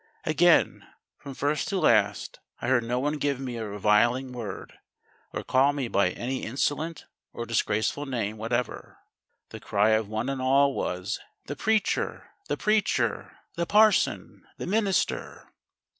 "Again, from first to last I heard no one give me a reviling word, or call me by any insolent or disgraceful name whatever. The cry of one and all was: 'The Preacher! The Preacher! The Parson! The Minister!'"